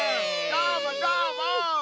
どーもどーも！